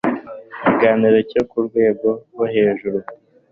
ikiganiro cyo ku rwego rwo hejuru